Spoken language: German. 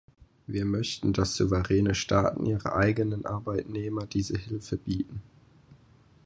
Wir möchten, dass souveräne Staaten ihren eigenen Arbeitnehmern diese Hilfe bieten.